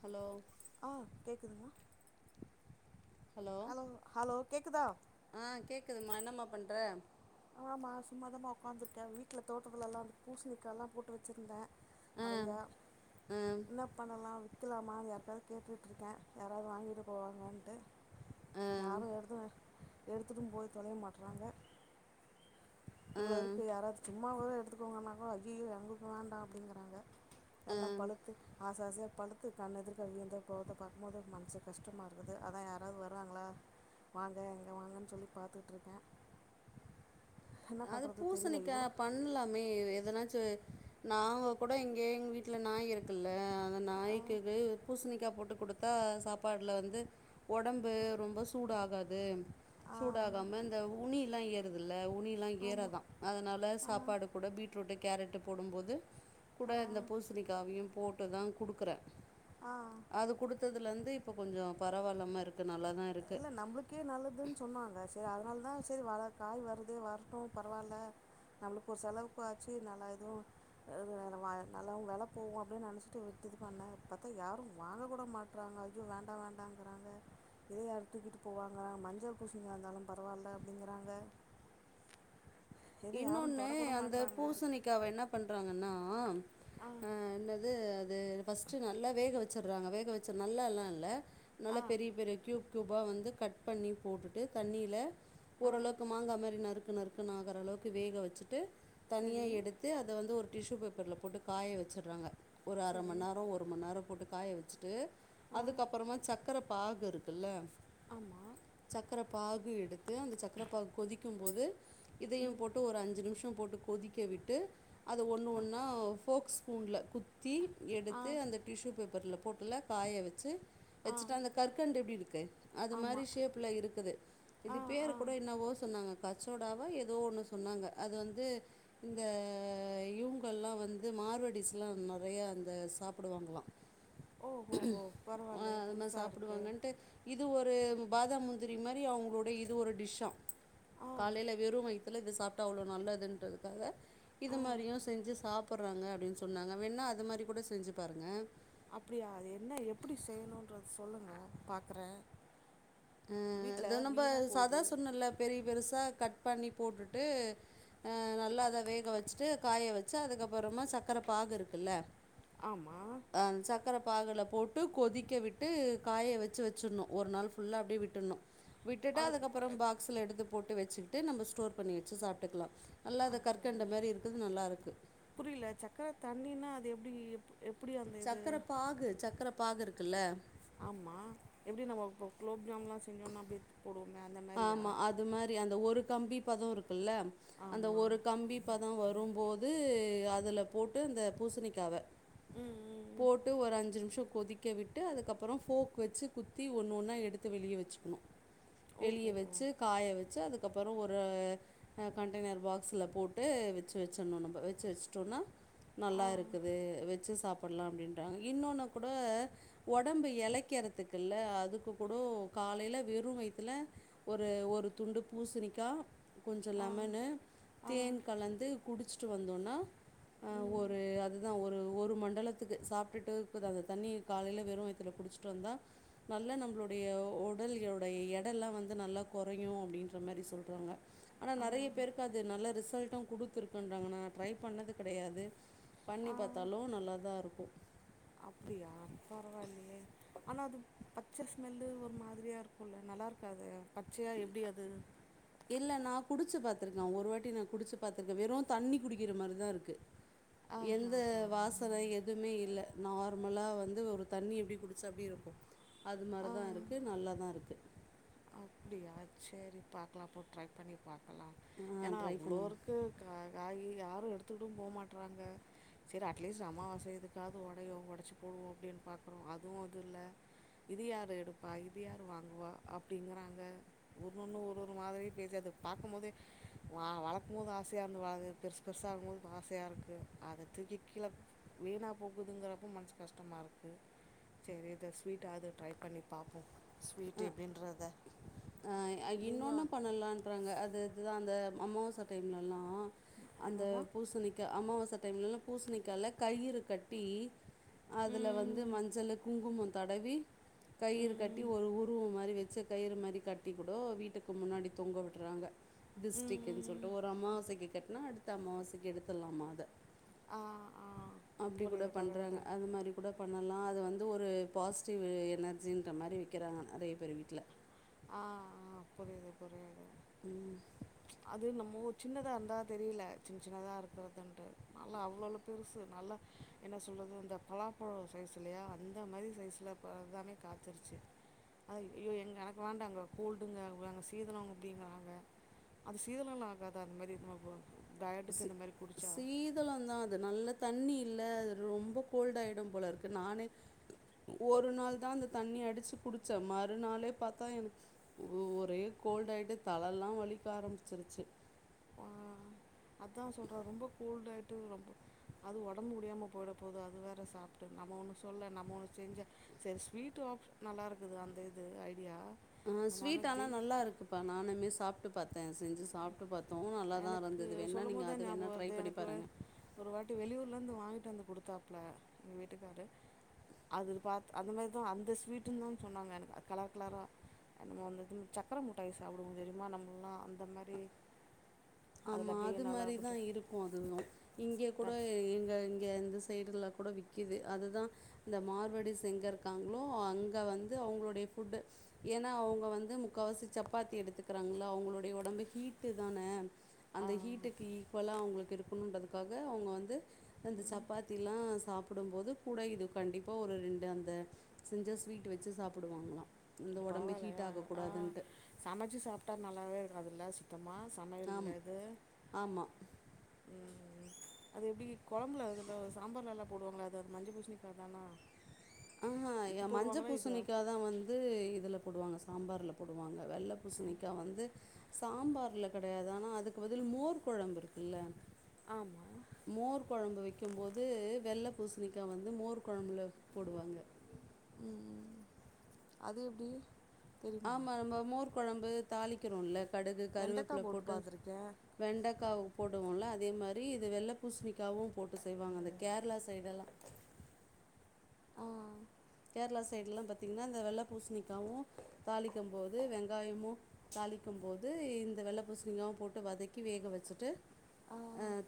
Hello ஆஹ் கேக்குதுங்க hello hello கேக்குதா ஆஹ் கேக்குதுமா என்னம்மா பண்ற ஆஹ் மா சும்மாதமா உக்காந்துருக்கேன் வீட்டுல தோட்டத்துல எல்லாம் வந்து பூசணிக்க எல்லாம் போட்டு வச்சிருந்தேன் ஆ நிறைய ஆ என்ன பண்ணலா விக்கலாமானு யாருக்காவ்து கேட்டுட்ருக்கே யாராது வாங்கிட்டு போவாங்கன்ட்டு ஆ ஆ யாரு எடுதுவ எடுத்துட்டு போய் தொலைய மாட்றாங்க இவ்ளோ இருக்கு ஆ யாராது சும்மாவாது எடுத்துக்கோங்கன்னா கூட ஐயியோ எங்கள்க்கு வேண்டா அப்டிங்கறாங்க எல்லா பழுத்து அ ச ஆசயா பழுத்து கண் எதுர்க்க வீழ்ந்து போறத பாக்கும்போது மனசுக் கஷ்டமா இருக்குது அதா யாராது வராங்ளா வாங்க இங்க வாங்கன் சொல்லி பாத்துட்ருக்கே அது பூசணிக்கா இவ்வளோ பண்லாமே எ எதனாச்சு நாங்க கூட இங்க எங் வீட்ல நாய் இருக்குல்ல அந்த ஆ நாய்க்கவே ஒரு பூசணி க்கா போட்டு குடுத்தா சாப்பாட்ல வந்து ஒடம்பு ரொம்ப சூடாகாது ஆ சூடாகாம இந்த உணில்லா ஏறுதுல்ல உணி ல்லா ஆமாம் ஏறாதா அதனால ஆ சாப்பாடு கூட பீட்ரூட்டு, கேரட்டு போடும்போது கூட ஆ இந்த பூசணிக்காவயு போட்டு தா குடுக்கறே ஆ அது குடுத்ததுலர்ந் து இப்ப கொஞ்சோ பரவால்லாம இருக்கு இல்ல நம்ப்ளுக்கே நல்லதுன் சொன்னாங்க சேரி அதனால் தா சேரி வர காய் வருது வரட்டு பரவால்ல நம்ளுக்கு ஒரு செலவுக்கு ஆச்சு நல்லா இதுவு அது வேற வா நல்லாவு வெல போவு அப்டின் நெனச்சிட்டு விட்டு இது பண்ணே பாத்தா யாரு வாங்க கூட மாட்றாங்க ஐயோ வேண்டா வேண்டாங்கறாங்க இத யாரு தூக்கிட்டு போவாங்க மஞ்ச பூசணி இருந்தாலு பரவால்ல அப்டிங்கறாங்க இன்னோன்னு அந்த பூசணிக்காவ என்ன பண்றாங்கன்னா ஆ என்னது அது ஃபஸ்ட்டு நல்லா வேக வச்சர்றாங்க வேக வச்சு நல்லா எல்லா இல்ல ஆ நல்லா பெரிய பெரிய க்யூப் க்யூபா வந்து கட் பண்ணி போட்டுட்டு தண்ணில ஆ ஓரளவுக்கு மாங்கா மாரி நறுக்கு நறுக்குனு ஆகறளவுக்கு வேக வச்சிட்டு தனியா சரி எடுத்து அத வந்து ஒரு டிஷ்ஷு பேப்பர்ல போட்டு காய வெச்சட்றாங்க ஒரு அர சரி மண் நேரோ ஒரு மண் நேரோ போட்டு காய வெச்சிட்டு ஆ அதுக்கப்பறமா சக்கர பாகு இருக்குல்ல ஆமா சக்கர பாகு எடுத்து அந்த சக்கரப்பாகு கொதிக்கும் போது இதையு ம் போட் அஞ்சு நிம்ஷோ போட்டு கொதிக்க விட்டு அது ஒன்னு ஒன்னா ஃபோக்ஸ் ஸ்பூன்லா குத் தி ஆ எடுத்து அந்த டிஷ்ஷு பேப்பர்ல போட்டுல காய வெச்சு ஆ வெச்சிட்டு அந்த கற்கண்ட் எப்டி இருக்கு அது ஆமா மாரி ஷேப்ல இருக்குது ஆ இது பேரு ஆ கூட என்னவோ சொன்னாங்க கச்சோடாவா எதோ ஒன்னு சொன்னாங்க அது வந்து இந்த இவுங்கல்லா வந்து மார்வடிஸ்ல்லா நெறையா அந்த சாப்புடுவாங்களா ஓ ஹோ ஹோ ஆ பரவாயில்லையே அது மாரி புதுசா இருக்கு சாப்புடுவாங்கன்ட்டு இது ஒ ரு பாதாம், முந்திரி மாரி அவுங்ளுடை இது ஒரு டிஷ்ஷா ஆ காலைல வெறு வய்த்துல சாப்ட்டா அவ்ளோ நல்லதுன்றதுக்காக ஆ இது மாரியு செஞ்சு சாப் பட்றாங்க அப்டின் சொன்னாங்க வேண்னா அது மாரி கூட செஞ்சு பாருங்க அப்டியா அது என்ன எப்டி செய்னுன்றத் சொல்லுங்க பாக்கறே ஆ இத நம்ப ஸ் அதா சொன்னல்ல பெரிய பெருசா கட் பண்ணி போட்டுட்டு ஆ நல்லா அத வேக வச்சுட்டு காய வெச்சு அதுக்கப்பறமா சக்கர பாகு இருக்குல்ல ஆமா பாகுல போட்டு கொதிக்க விட்டு காய வெச்சு வெச்சுர்னு ஒரு நாள் ஃபுல்லா அப்டியே விட்டர்னு விட்டுட்டு அது அதுக்கப்றம் பாக்ஸ்ல எடுத்து போட்டு வெச்சிக்கிட்டு நம்ம ஸ்டோர் பண்ணி வெச்சு சாப்ட்டுக்கலா நல்லா அது கற்கண்டு மாரி இருக்குது நல்லாருக்கு புரியல சக்கர தண்ணின்னா அது எப்டி எப்பு சக்கர பாகு சக்கர பாகு இருக்குல்ல ஆமா எப்டி நம்ம இப்ப க்லோப்ஜாம்லா செஞ்சோன்னா அப்டியே ஆமா அது மாரி அந்த ஒரு கம்பி பதோ இருக்குல்ல அந்த ஆமா ஒரு கம்பி பதோ வ ரும்போது அதுல போட்டு அந்த பூசணிக்காவ ம் ம் ம் போட்டு ஒரு அஞ்சு நிம்ஷோ கொதிக்க விட்டு அதுக்கப்றோ ஃபோக் வெச்சி குத்தி ஒன் ஒன்னா எடுத்து வெளிய வெச்சிக்கனு ஓ ஹோ வெளிய ஹோ வெச்சு காய வெச்சு அது அதுக்கப்றோ ஒரு கண்டெய்னர் பாக்ஸ்ல போட்டு வெச்சு வெச்சர்னு நம்ப வெச்சு வெச்சுடோனா ஆ நல்லா இருக்குது வெச்சு சாப் டலா அப்டின்டாங்க இன்னொன்னு கூட ஒடம்பு எலக்கிறதுகில்ல அதுக்கு கூட கா காலைல வெறு வய்த்ல ஒரு ஒரு துண்டு பூசிணிக்கா கொஞ்சோ ஆ லெமன்னு ஆ தேன் கலந்து குடிச்சிட்டு வந்தோனா ஆ ம் ஒரு அதுதா ஒரு ஒரு ஒரு மண்டலத்துக்கு சாப்ட்டுட்டு இக்குது அந்த தண்ணிய காலைல வெறு வயத்துல குடிச்சுட்டு வந்தா நல்லா நம்ளுடய உடலுடய எட எல்லா வந் து நல்லா கொறையு அப்டின்ற மாரி சொல்றாங்க. ஆனா நெறய ஆ பேருக்கு அது நல்ல ரிசல் ட்டு குடுத்துருக்குன்றாங்க நா ட்ரை பண்ணது கெடையாது. பண்ணி ஆ பாத்தாலு நல்லாதா இருக்கு அப்டியா பரவாயில்லயே ஆனா அது பச்ச ஸ்மெல்லு ஒரு மாதிரியா இருக்குல்ல நல் லா இருக்காது பச்சயா எப்டி அது இல்லை நான் குடிச்சு பாத்துருக்கே ஒரு வாட்டி நா குடிச்சு பாத்துருக்கே வெறு தண்ணி குடிக்கிற மாரிதா இருக்கு எந்த ஆஹ்ஹஹா வாசன எதுமே இல்ல நார்மலா வந்து ஒரு தண்ணி எப்டி குடிச்சா எப்டி இருக்கு அது மாரிதா இருக்கு நல்லாதா இருக்கு அப்டியா செரி பாக்கலா அப்போ ட்ரை பண்ணி பாக் லா ஏனா ட்ரை அவ்ளோ பண்ணுவேன் இருக்கு கா காயி யாரு எடுத்துட்டும்போ மாட்டறாங்க செரி அட்லீஸ்ட் அமாவாச இதுக்காது ஒடயு ஒடச்சு போடுவோ அப்டின் பாக்கறோ. அதுவு அது இல்ல. இது யாரு எடுப்பா இது யாரு வாங்குவா அப்டிங்கறாங்க ஒவ்வொன்னு ஒரு ஒரு மாதிரி பேசி அத பாக்கும்போதே வ வளக்கனுங்கற ஆ ஆசயா இருந்து வாது பெருசு பெருசா ஆகும்போது ஆசயா இருக்கு. அத தூக்கி கீழ வீணா போகுதுங்கறப்ப மனசு கஷ்டமா இருக்கு செரி இத ஸ்வீட்டாவ்து ட்ரை பண்ணி பாப்போ ஸ்வீட் எப்படின்றத ஆ இன்னொன்னு பண்ணலான்றாங்க அது இதுதா அந்த அமாவாச டைம்ல எல்லா அந்த என்னவா பூசணிக்கா அமாவா ச டைம்ல பூசணிக்கால கயிறு கட்டி அதுல வந்து ம் மஞ்சள்ளு குங்குமோ தடவி கயிறு கட்டி ம் ஒரு ஊ மாரி வெச்சு கயிறு மாரி கட்டி கூடோ வீட்டுக்கு முன்னாடி தொங்க விடறாங்க. திஸ்டிகின்னு ம் சொல்ட்டு ஒரு அமாவாசக்கி கட்னா அடுத்த அமாவாசக்கி எடுத்தடலாமா அத ஆ ஆ அப்டி கூட புரியுது பண்றாங்க புரியுது அது மாரி கூட பண்ண லா அது வந்து ஒரு பாசிட்டிவ் எனர்ஜின்ற மாரி வெக்கெறாங் நெறய பேர் வீட்ல ஆ ஆ புரியுது புரியுது அது நம் ஓ சின்னதா இருந்தா தெரில சின்ன சின்னதா இருக்கறதுன்ட்டு நல்லா அவ்ளவ்ளோ பெருசு நல்லா என் என்ன சொல்றது அந்த பலாப்பழோ சைஸ் இல்லையா அந்த மாரி சைஸ்ல பலோ எல்லாமே காச்சுருச்சு. அத ஏ எங்க எனக்கு வேண்டாங்க கோல்டுங்க அங்க சீதனோ அவுங்க அப்பிடிங்கறாங்க. அது சீதெல்லா ஆகாதா அந்த மாரி நம்ம போ சி சீதளந்தா அது நல்ல தண்ணி இல்ல ரொம்ப கோல்ட் ஆயிடு போல இருக்கு நானே ஒரு நாள்தா அந்த தண்ணி அடுச்சு குடுச்ச மறுநாளே பாத்தா எனக்கு ஒரே கோ கோல்ட் ஆயிட்டு தல எல்லா வலிக்க ஆரம்பிச்சிருச்சு. ஆ அதா சொல்றே ரொம்ப கோல்ட் ஆயிட்டு ரொம்ப அது ஒடம்பு முடியாம போய்ட போது அது வேற சாப்ட்டு நம்ம ஒண்ணு சொல்ல நம்ம ஒண்ணு செஞ்சு செரி ஸ்வீட் ஹாப்ஷ் நல்லா இருக்குது அந்த இது ஐடியா ஆ நம்ம ஸ்வீட் ஆனா ஜெய் நல்லா இருக்குப்பா நானுமே சாப்ட்டு பாத்த செஞ்சு சாப்ட்டு பா எனக்கு சொல்லும்போதா ஞாபகோ ட்ரை வருது பண்ணி எனக்கு வெ பாருங்க ஒரு வாட்டி வெளியூர்ல இருந்து வாங் கிட்டு வந்து குடுத்தாப்ல எங்க வீட்டுக்காரு அது பாத் அந்த மாரிதா அந்த ஸ்வீட்டுனுதான் சொன்னாங்க எனக் கலர் கலரா நம்ம வந்துட்டு சக்கர முட்டாய் சாப்டுவோ தெரிமா நம்மெல்லா அந்த மாரி அதுல ஆமா அப்டியே அது நல்லா மாரிதா போட்டு இருக்கூ அதுவு இங்க கூட எங்க இந்த சைடுல கூட விக்கிது. அதுதா இந்த மார்வடிஸ் எங்க இருக்காங்களோ அங்க வந்து அவங்களுடைய ஃபுட்டு ஏனா அவுங்க வந்து முக்காவாசி சப்பாத்தி எடுத்துக்கிறாங்கள அவங்களுடைய ஒடம்பு ஹீட் டு தான அந்த ஆ ஹீட்டுக்கு ஈக்குவலாக அவங்களுக்கு இருக்கணுன்றதுக்காக அவுங்க வந்து அந்த சப்பாத்தில்லா சாப் புடும்போது கூட இது கண்டிப்பா ஒரு ரெண்டு அந்த செஞ்ச ஸ்வீட் வச்சு சாப்புடுவாங்களா. பாவால்லயா ஆ சமச்சு சாப்ட்டா நல்லாவே இ ருக்காதுல சுத்தமா ஆம் சமயல்லது ஆமா. ம் ம் அது எப்டி குழம்புல அதில சாம்பார்லலா போடுவாங்கள அது அது மஞ்ச பூஷ்ணிக்கா தானா ஆ இது அ மஞ்ச போடுவாங்களா இதா பூசணிக்காதா வந்து இதுல போடுவாங்க சாம்பார்ல போடுவாங்க. வெள்ள பூஷ்ணிக்கா வந்து சாம்பார்ல கெடையாது. ஆனா அதுக்கு பதில் மோர் கொழம்பு இருக்குல்ல ஆமா மோர் கொழம்பு வெக்கு போது வெள்ள பூஷ்ணிக்கா வந்து மோர் குழம்புல போடுவாங்க. உம் அது எப்டி ஆமா நம்ம மோர் கொழம்பு தாளிக்கிறோல்ல கடுகு வெண்டைக்கா கருவேப்பில போட்டு பாத்துருக்கேன் வெண்டக்கா போடுவோல்ல அதே மாரி இது வெள்ள பூஷ்ணிக்காவு போட்டு செய்வாங்க அந்த கேரளா சைடுலா ஆ கேரளா சைட்லா பாத்தீங்கனா இந்த வெள்ள பூஷ்ணிக்காவு தாளிக்கம்போது வெங்காயமு தாளிக்கு போது இந்த வெள்ள பூசணிங்காவு போட்டு வதக்கி வேக வச்சுட்டு ஆ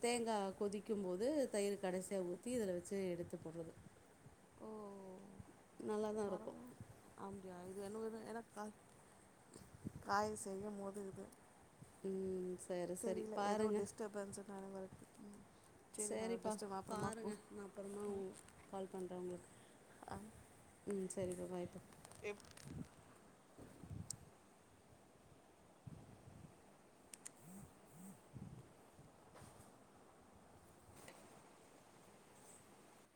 தேங்கா கொதி க்கும்போது தயிர் கடசியா ஊத்தி இதில வச்சு எடுத்து போட்றது. ஓ இருக்கும் [unintelligible] அ இது என்னவேனு ஏன்னா கா காய் செய்யு மோது இது உம் தெரீல ஏதோ டிஸ்டர்பன்ஸ் நால வர சேரிப்பா கூ பாருங்க. நா அப்பறமா ம். உங் கால் பண்ற உங்ளுக்கு உம் செரிப்பா பாய்ப்பா ஆ.